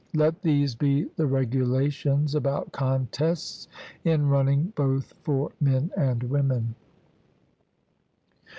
Let these be the regulations about contests in running both for men and women.